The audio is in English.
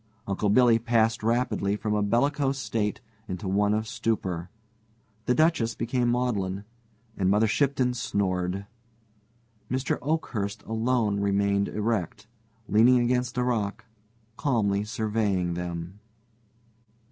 Uncle Billy passed rapidly from a bellicose state into one of stupor, the Duchess became maudlin, and Mother Shipton snored. Mr. Oakhurst alone remained erect, leaning against a rock, calmly surveying them.